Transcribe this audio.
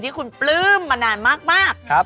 ที่คุณปลื้มมานานมาก